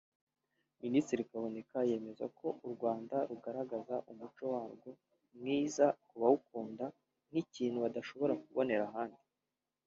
Minisitiri Kaboneka yemeza ko u Rwanda rugaragaza umuco warwo mwiza bakawukunda nk’ikintu badashobora kubonera ahandi